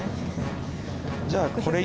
じゃあこれ１本。